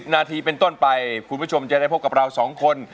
นาทีเป็นต้นไปคุณผู้ชมจะได้พบกับเรา๒คน